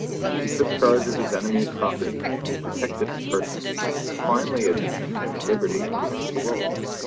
He took charge of his enemy's property, protected his person, and finally obtained him liberty on his parole.